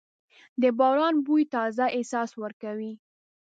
د باران بوی تازه احساس ورکوي.